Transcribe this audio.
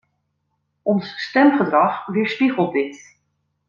Ons stemgedrag weerspiegelt dit.